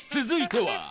続いては。